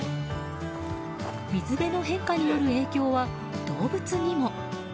水辺の変化による影響は動物にも。